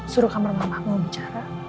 suruh kamar aku mau bicara